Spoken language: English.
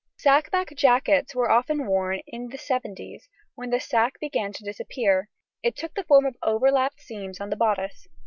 Sack back jackets were often worn in the seventies; when the sack began to disappear, it took the form of overlapped seams on the bodice.